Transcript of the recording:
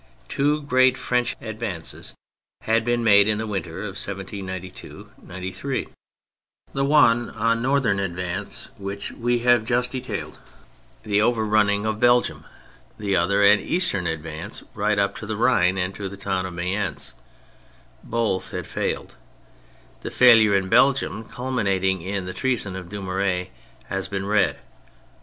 Two great French advances had been made in the winter of 1792 93; the one a northern advance, which we have just THE MILITARY ASPECT 173 detailed, the over running of Belgium; the other an eastern advance right up to the Rhine and to the town of Mayence. Both had failed. The failure in Belgium, culminating in the treason of Dumouriez, has been read.